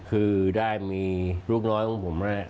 คือได้มีลูกน้อยของผม